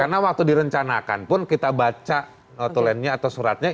karena waktu direncanakan pun kita baca notulennya atau suratnya